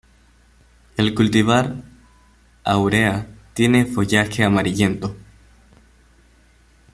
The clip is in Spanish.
El cultivar "Áurea" tiene follaje amarillento.